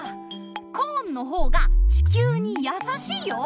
コーンのほうが地きゅうにやさしいよ。